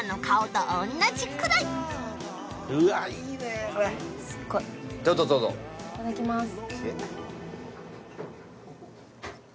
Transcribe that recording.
いただきます。